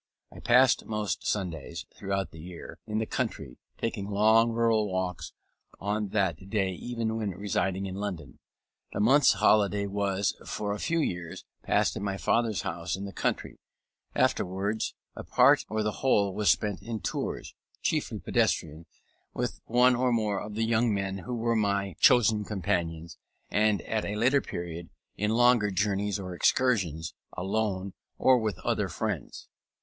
I passed most Sundays, throughout the year, in the country, taking long rural walks on that day even when residing in London. The month's holiday was, for a few years, passed at my father's house in the country; afterwards a part or the whole was spent in tours, chiefly pedestrian, with some one or more of the young men who were my chosen companions; and, at a later period, in longer journeys or excursions, alone or with other friends.